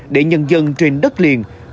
để nhân dân trên đất liền